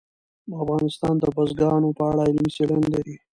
افغانستان د بزګانو په اړه علمي څېړنې لري.